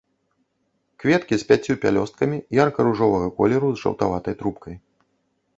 Кветкі з пяццю пялёсткамі, ярка-ружовага колеру з жаўтаватай трубкай.